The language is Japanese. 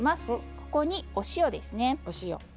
ここにお塩ですね。